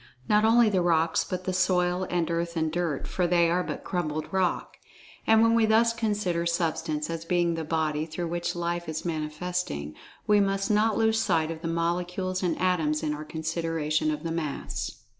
Not only the rocks, but the soil and earth and dirt, for they are but crumbled rock. And, when we thus consider Substance, as being the "body" through which Life is Manifesting, we must not lose sight of the Molecules and Atoms, in our consideration of the Mass.